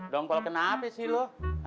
dongkol kenapa sih lu